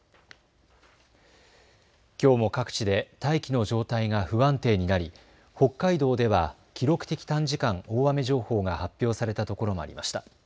きょうも各地で大気の状態が不安定になり北海道では記録的短時間大雨情報が発表されたところもありました。